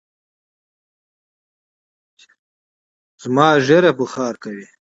زما ژېره بوخار کوی